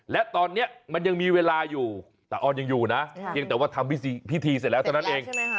และตอนนี้มันยังมีเวลาอยู่ตาอ้อนยังอยู่นะเพียงแต่ว่าทำพิธีเสร็จแล้วเท่านั้นเอง